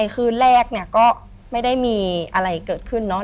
คือแรกเนี่ยก็ไม่ได้มีอะไรเกิดขึ้นเนาะ